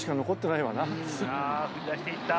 さあ振り出していった。